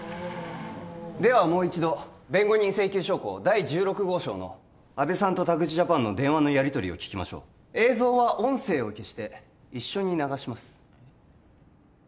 ではもう一度弁護人請求証拠第十六号証の阿部さんと田口ジャパンの電話のやりとりを聞きましょう映像は音声を消して一緒に流します